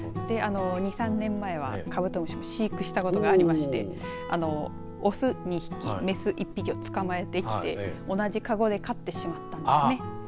２、３年前はカブトムシを飼育したことがありまして雄２匹、雌１匹を捕まえてきて同じかごで飼ってしまったんですね。